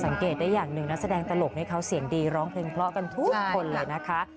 สังเกตได้อย่างหนึ่งนักแสดงตลกนี้เขาเสียงดีร้องเพลงเพราะกันทุกคนเลยนะคะ